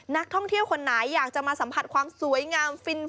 นักท่องเที่ยวคนไหนอยากจะมาสัมผัสความสวยงามฟิน